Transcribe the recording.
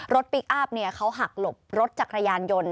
รถพลิกอ้าบเนี่ยเขาหักหลบรถจักรยานยนต์